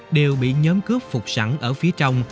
đều bị nhóm cướp phục sẵn ở phía trong